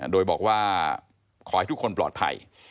โดยบอกว่าขอให้ทุกคนปลอดภัย